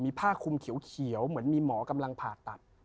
ผ้าคุมเขียวเหมือนมีหมอกำลังผ่าตัด